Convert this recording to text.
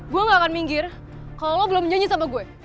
gue gak akan minggir kalau lo belum nyanyi sama gue